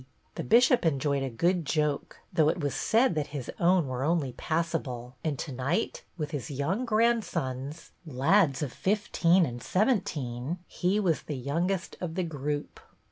The Bishop enjoyed a good joke, though it was said that his own were only passable, and to night with his young grandsons, lads of fifteen and seventeen, he was the young est of the group.